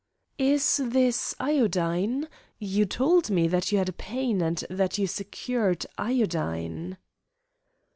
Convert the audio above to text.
"Is this iodine? You told me that you had a pain and that you secured iodine."